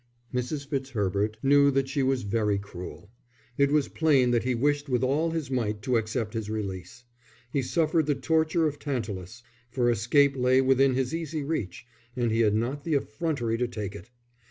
Mrs. Fitzherbert knew that she was very cruel. It was plain that he wished with all his might to accept his release. He suffered the torture of Tantalus, for escape lay within his easy reach, and he had not the effrontery to take it.